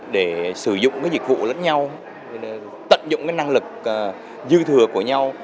để sử dụng cái dịch vụ lẫn nhau tận dụng cái năng lực dư thừa của nhau